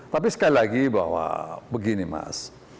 tapi sekali lagi bahwa begini mas